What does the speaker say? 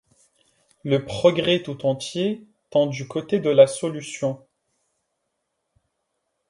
Le progrès tout entier tend du côté de la solution.